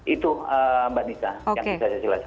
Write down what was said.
itu mbak nisa yang bisa saya jelaskan